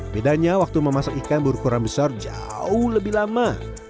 bedanya waktu memasak ikan berukuran besar jauh lebih lama